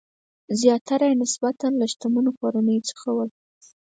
زیاتره یې له نسبتاً شتمنو کورنیو څخه ول.